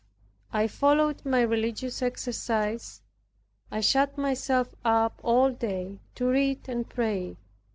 I followed my religious exercises. I shut myself up all day to read and pray.